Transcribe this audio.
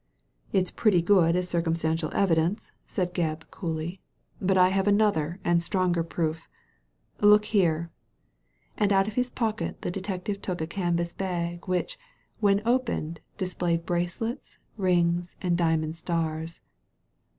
" It's pretty good as circumstantial evidence^" said Digitized by Google A SECRET HOARD 231 Gebb, coolly ;" but I have another and stronger proof. Look here," and out of his pocket the detective took a canvas bag, which, when opened, displayed bracelets rings, and diamond stars.